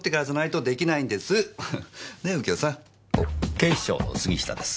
警視庁の杉下です。